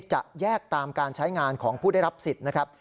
จะแยกตามการใช้งานของผู้ได้รับสิทธิ์นะครับ